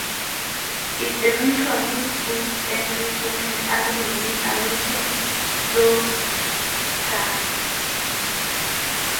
It eventually closed and re-opened under the name American Clothiers.